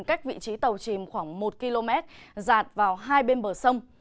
cách vị trí tàu chìm khoảng một km dạt vào hai bên bờ sông